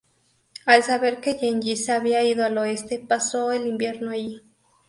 Al saber que Gengis se había ido al oeste, pasó el invierno allí.